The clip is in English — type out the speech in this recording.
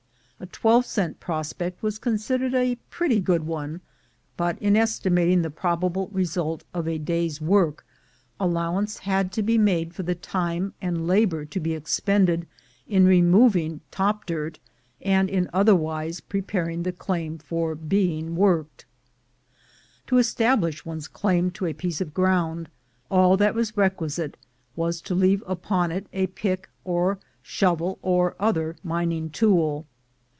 A twelve cent prospect was considered a pretty good one; but in estimating the probable result of a day's work, allowance had to be made for the time and labor to be expended in removing top dirt, and in otherwise preparing the claim for being worked. [To establish one's claim to a piece of ground, all that was requisite was to leave upon it a pick or shovel, or other mining tool.